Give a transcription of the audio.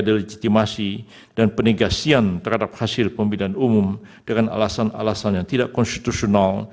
delegitimasi dan penegasian terhadap hasil pemilihan umum dengan alasan alasan yang tidak konstitusional